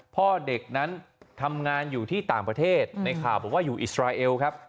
พ่อเด็กนั้นทำงานอยู่ที่ต่างประเทศในข่าวบอกว่าอยู่อิสราเอลครับ